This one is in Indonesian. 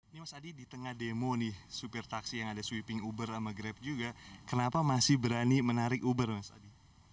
ini mas adi di tengah demo nih supir taksi yang ada sweeping uber sama grab juga kenapa masih berani menarik uber mas adi